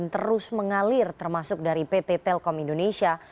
terus mengalir termasuk dari pt telkom indonesia